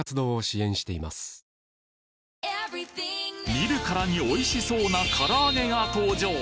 見るからにおいしそうなから揚げが登場！